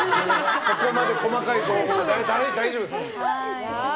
そこまで細かい情報は大丈夫です。